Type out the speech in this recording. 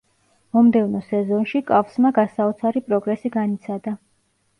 მომდევნო სეზონში, კავსმა გასაოცარი პროგრესი განიცადა.